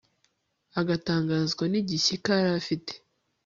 agatangazwa n'igishyika yari afite